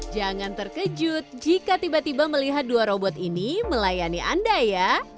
jangan terkejut jika tiba tiba melihat dua robot ini melayani anda ya